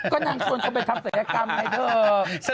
ก็นางชวนเข้าไปทำศักยกรรมให้เถอะ